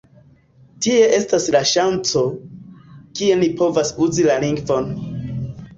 Tie estas la ŝanco, kie ni povas uzi la lingvon.